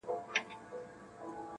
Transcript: • ما به څه کول دنیا چي څه به کیږي -